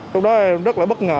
lúc đó em rất là bất ngờ